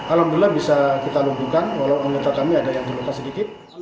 alhamdulillah bisa kita lumpuhkan walaupun anggota kami ada yang terluka sedikit